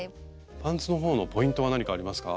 パンツの方のポイントは何かありますか？